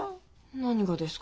何がですか？